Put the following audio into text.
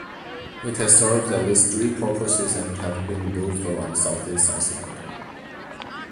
It has served at least three purposes and has been moved around southeast Iceland.